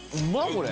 これ。